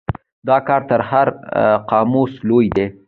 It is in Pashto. دا کار تر هر قاموس لوی دی.